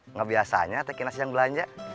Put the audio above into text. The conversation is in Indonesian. enggak biasanya teki nasi yang belanja